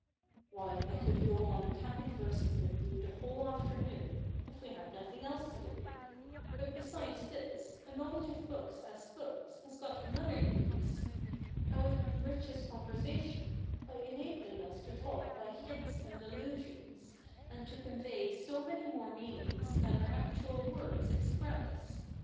Why, I could go on capping verses with you the whole afternoon, if we had nothing else to do. But besides this, a knowledge of books as books has got another use. How it enriches conversation, by enabling us to talk by hints and allusions, and to convey so many more mean ings than our actual words express.